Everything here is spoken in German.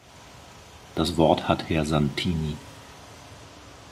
Das Wort hat Herr Santini.